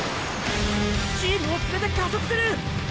チームを連れて加速する！！